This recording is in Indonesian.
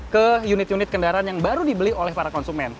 ke unit unit kendaraan yang baru dibeli oleh para konsumen